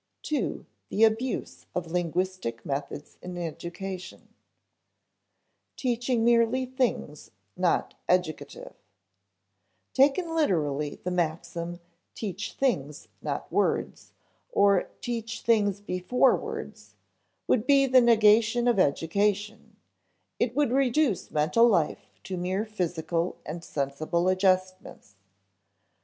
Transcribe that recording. § 2. The Abuse of Linguistic Methods in Education [Sidenote: Teaching merely things, not educative] Taken literally, the maxim, "Teach things, not words," or "Teach things before words," would be the negation of education; it would reduce mental life to mere physical and sensible adjustments.